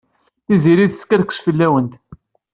Tiziri teskerkes fell-awent.